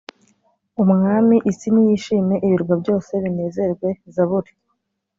umwami isi niyishime ibirwa byose binezerwe zaburi